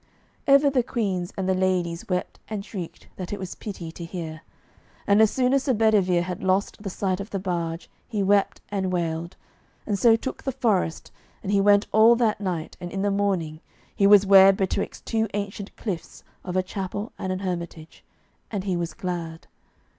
Ever the queens and the ladies wept and shrieked, that it was pity to hear. And as soon as Sir Bedivere had lost the sight of the barge he wept and wailed, and so took the forest, and he went all that night; and in the morning he was ware betwixt two ancient cliffs of a chapel and an hermitage, and he was glad.